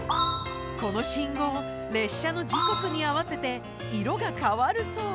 この信号列車の時刻に合わせて色が変わるそう。